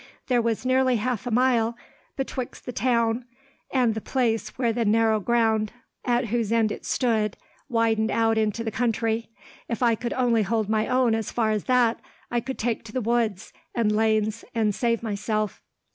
"There was nearly half a mile betwixt the town and the place where the narrow ground, at whose end it stood, widened out into the country. If I could only hold my own, as far as that, I could take to the woods and lanes and save myself.